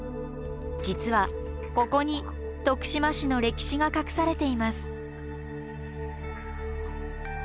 実はここに徳島市の歴史が隠されています。